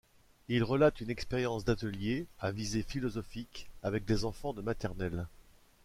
Il relate une expérience d'ateliers à visée philosophique avec des enfants de maternelle.